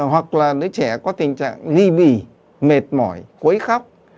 hoặc là đứa trẻ có tình trạng nghi bì mệt mỏi quấy khóc